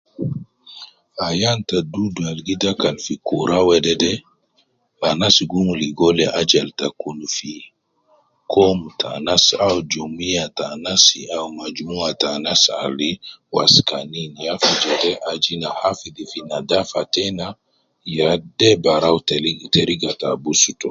Ayan ta dudu al gi dakul fi kura wedede, anas logo de fi komu ta anas, awu jum iya ta anas al waskanin. Ya aju kede ina hafidhi ina fi nadafa tenna. De ya barawu teriga ta abus to.